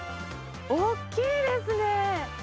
大きいですね。